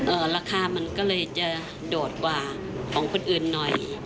ราคามันก็เลยจะโดดกว่าของคนอื่นหน่อย